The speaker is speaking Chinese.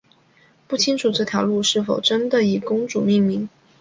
不清楚这条街是否真的以公主命名。